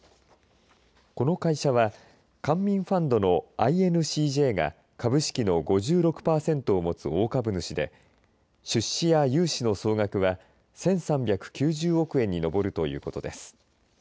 この会社は官民ファンドのＩＮＣＪが株式の５６パーセントを持つ大株主で出資や融資の総額は１３９０憶円に上るということです。